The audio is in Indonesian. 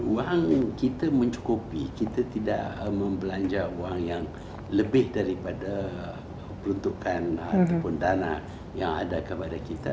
uang kita mencukupi kita tidak membelanja uang yang lebih daripada peruntukan ataupun dana yang ada kepada kita